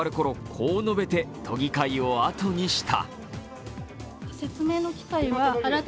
こう述べて都議会を後にした。